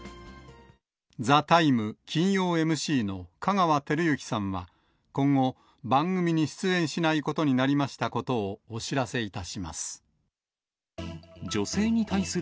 ザ・タイム金曜ＭＣの香川照之さんは、今後、番組に出演しないことになりましたことをお知らせいたします。